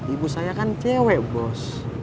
ibu saya kan cewek bos